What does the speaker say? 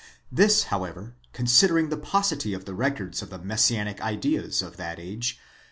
This however, considering the paucity of records of the Messianic ideas of that age